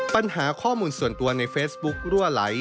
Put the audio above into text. ปัญหาข้อมูลส่วนตัวในเฟซบุ๊กรั่วไหล